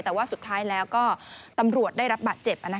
แต่ว่าสุดท้ายแล้วก็ตำรวจได้รับบาดเจ็บ